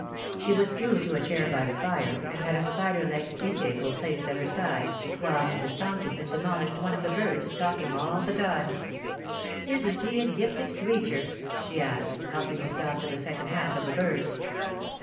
She withdrew to a chair by the fire, and had a spider legged tea table placed at her side, while Mrs. Tomkison demolished one of the birds, talking all the time. " Isn't he a gifted creature ?" she asked, helping herself to the second half of the bird.